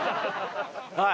はい。